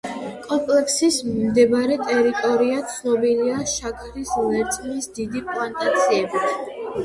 კომპლექსის მიმდებარე ტერიტორია ცნობილია შაქრის ლერწმის დიდი პლანტაციებით.